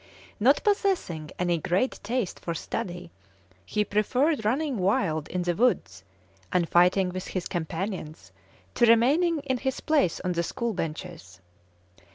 Not possessing any great taste for study, he preferred running wild in the woods, and fighting with his companions, to remaining in his place on the school benches.